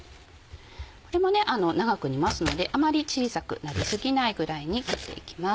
これも長く煮ますのであまり小さくなり過ぎないぐらいに切っていきます。